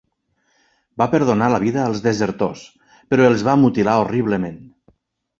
Va perdonar la vida als desertors, però els va mutilar horriblement.